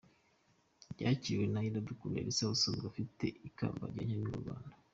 Yakiriwe na Iradukunda Elsa usanzwe afite ikamba rya Nyampinga w’u Rwanda.